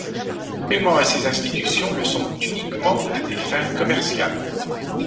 Paiements à ces institutions le sont uniquement à des fins commerciales.